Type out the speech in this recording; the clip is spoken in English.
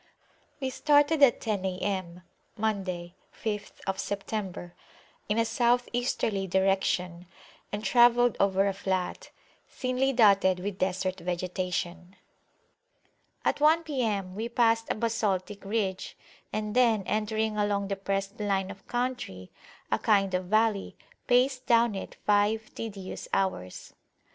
We started at ten A.M. (Monday, 5th September) in a South Easterly direction, and travelled over a flat, thinly dotted with Desert vegetation. At one P.M we passed a basaltic ridge; and then, entering a long depressed line of country, a kind of valley, paced down it five tedious hours.